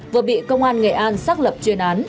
vừa bị công an nghệ an xác lập chuyên án